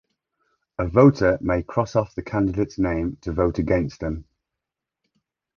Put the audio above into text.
A voter may cross off the candidate's name to vote against them.